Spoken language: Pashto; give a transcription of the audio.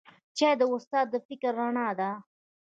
چای د استاد د فکر رڼا ده